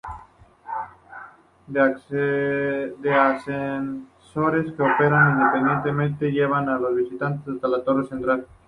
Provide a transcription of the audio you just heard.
Dos ascensores, que operan independientemente, llevan a los visitantes hasta la torre central.